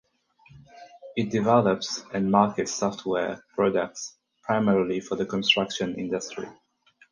It develops and markets software products primarily for the construction industry.